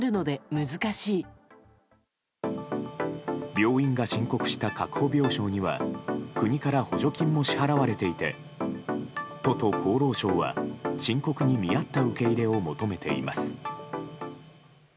病院が申告した確保病床には国から補助金も支払われていて都と厚労省は深刻に見合った受け入れを求めています。